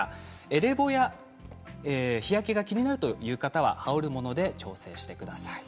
冷房や日焼けが気になるという方は羽織るもので調整してください。